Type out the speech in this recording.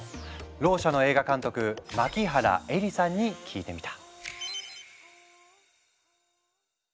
ろう者の映画監督牧原依里さんに聞いてみた。